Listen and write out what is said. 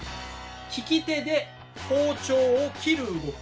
利き手で包丁を切る動き。